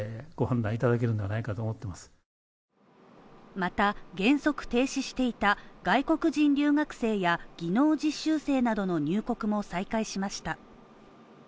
また、原則停止していた外国人留学生や技能実習生などの入国も再開しました。